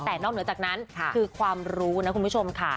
แต่นอกเหนือจากนั้นคือความรู้นะคุณผู้ชมค่ะ